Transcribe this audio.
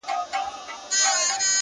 ه بيا دي په سرو سترگو کي زما ياري ده،